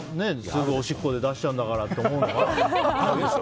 すぐおしっこで出しちゃうんだからって思うんだろうね。